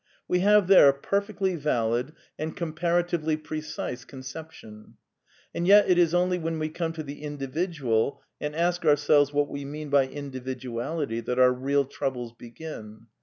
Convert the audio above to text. We have there a perfectly valid and comparatively pre cise conception. And yet it is only when we come to the Individual and ask ourselves what we mean by Individuality that our real troubles begin.